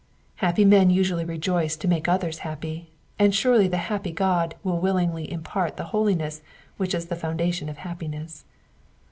Happy men usuaUy rejoice to make others happy, and surely the happy God will willingly impart the holiness which is the fountain of happiness.